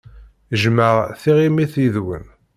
Jjmeɣ tiɣimit yid-went.